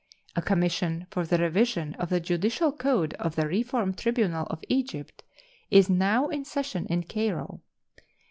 A commission for the revision of the judicial code of the reform tribunal of Egypt is now in session in Cairo.